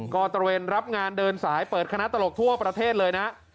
ก็ตระเวนรับงานเดินสายเปิดคณะตลกทั่วประเทศเลยนะ